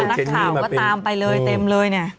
นักข่าวก็ตามไปเลยเต็มเลยเนี่ย